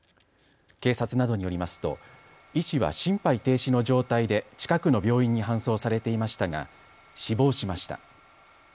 警察などによりますと医師は心肺停止の状態で近くの病院に搬送されていましたが死亡しました。